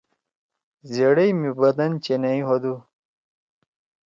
زیڑئی می بدن چِنئی ہودُو۔